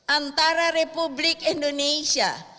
antara republik indonesia